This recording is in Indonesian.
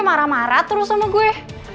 marah marah terus sama gue